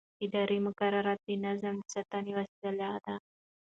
اداري مقررات د نظم د ساتنې وسیله ده.